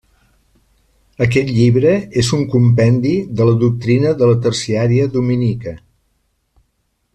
Aquest llibre és un compendi de la doctrina de la terciària dominica.